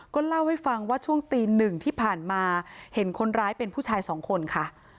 ก็เล่าให้ฟังว่าช่วงตีหนึ่งที่ผ่านมาเห็นคนร้ายเป็นผู้ชายสองคนค่ะ